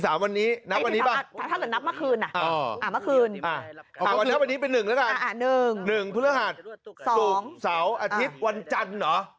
๑พฤหาส๒สวันอาวุธวันจันทร์หรอ